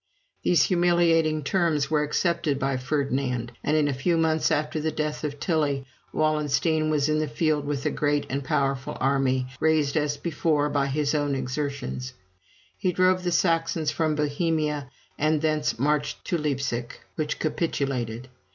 These humiliating terms were accepted by Ferdinand, and in a few months after the death of Tilly, Wallenstein was in the field with a large and powerful army, raised, as before, by his own exertions. He drove the Saxons from Bohemia, and thence marched to Leipsic, which capitulated.